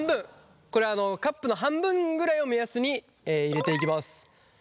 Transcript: これあのカップの半分ぐらいを目安に入れていきます。